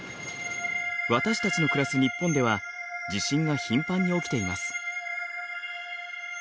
私たちの暮らす日本では地震が頻繁に起きています。